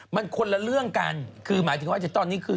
มันคนละเรื่องกันคือหมายถึงว่าตอนนี้คือ